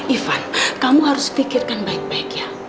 ivan kamu harus pikirkan baik baik ya